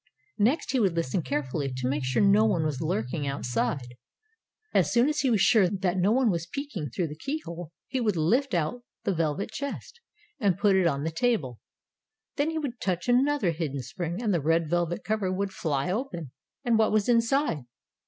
Next he would listen carefully, to make sure no one was lurking outside. As soon as he was sure that no one was peeking through the keyhole, he would lift out the velvet chest and put it on the table. Then he would touch another hidden spring, and the red velvet cover would fly open. And what was inside